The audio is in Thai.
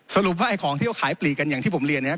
สรุปว่าไอ้ของที่เขาขายปลีกกันอย่างที่ผมเรียนนะครับ